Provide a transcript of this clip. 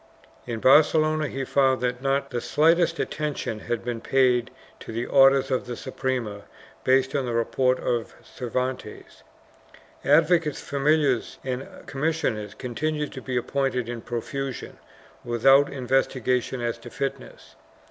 In Barcelona he found that not the slightest attention had been paid to the orders of the Suprema based on the report of Cervantes. Advocates, familiars and commissioners continued to be appointed in profusion, with out investigation as to fitness.